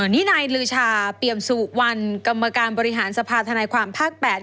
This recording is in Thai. นี่นายลือชาเปรียมสุวรรณกรรมการบริหารสภาธนายความภาค๘